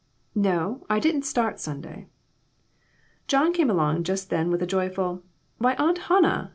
"No; I didn't start Sunday." John came along just then with a joyful, "Why Aunt Hannah